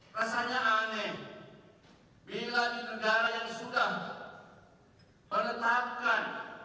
rasanya aneh bila di negara yang sudah menetapkan